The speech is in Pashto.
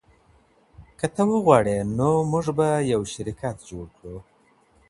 که ته وغواړي نو موږ به یو شرکت جوړ کړو.